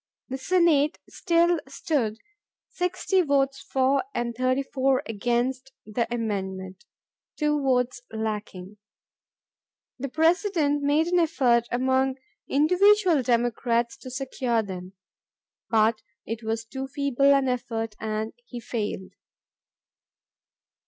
The Senate still stood 6Q votes for and 34 against the amendment—2 votes lacking. The President made an effort among individual Democrats to secure them. But it was too feeble an effort and he failed.